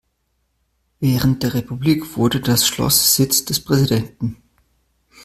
Während der Republik wurde das Schloss Sitz des Präsidenten.